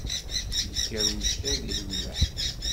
Ikker uctal di lemleḥ.